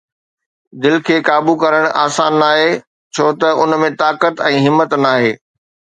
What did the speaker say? دل کي قابو ڪرڻ آسان ناهي ڇو ته ان ۾ طاقت ۽ همت ناهي